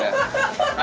oh unsur ya